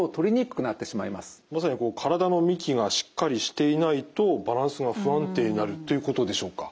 まさにこう体の幹がしっかりしていないとバランスが不安定になるということでしょうか？